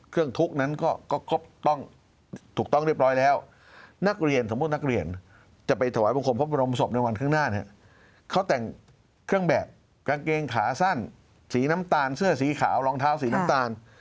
กางเกงขาสั้นสีน้ำตาลเสื้อสีขาวรองเท้าสีน้ำตาล